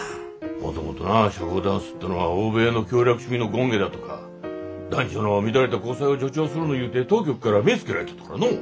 もともとな社交ダンスってのは欧米の享楽主義の権化だとか男女の乱れた交際を助長するのいうて当局から目ぇつけられとったからのお。